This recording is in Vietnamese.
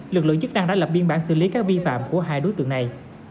lực lượng chức năng đã lập biên bản xử lý các vi phạm của hai đối tượng này